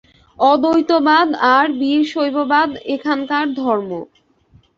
অদ্বৈতবাদ আর বীরশৈববাদ এখানকার ধর্ম।